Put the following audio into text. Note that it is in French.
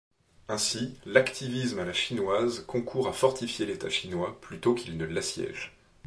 Ainsi l’hacktivisme à la chinoise concourt à fortifier l’État chinois plutôt qu’il ne l’assiège.